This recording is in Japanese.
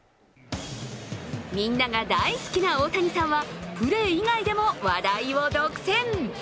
みんなが大好きな大谷さんはプレー以外でも話題を独占。